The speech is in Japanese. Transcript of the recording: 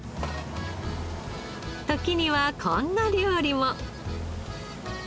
時にはこんな料理も。